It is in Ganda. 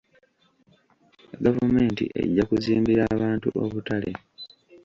Gavumenti ejja kuzimbira abantu obutale.